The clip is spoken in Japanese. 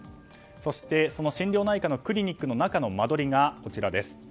そして、心療内科のクリニックの中の間取りがこちらです。